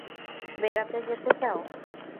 বেড়াতে যেতে চাও?